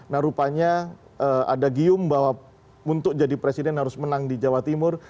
nah rupanya ada gium bahwa untuk jadi presiden harus menang di jawa timur